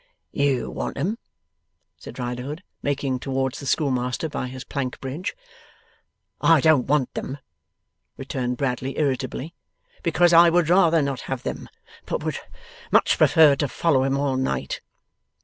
'You want 'em,' said Riderhood, making towards the schoolmaster by his plank bridge. 'I don't want them,' returned Bradley, irritably, 'because I would rather not have them, but would much prefer to follow him all night.